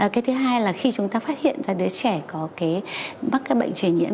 cái thứ hai là khi chúng ta phát hiện ra đứa trẻ mắc các bệnh truyền nhiễm